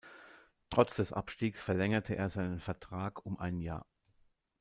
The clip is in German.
Trotz des Abstiegs verlängerte er seinen Vertrag um ein Jahr.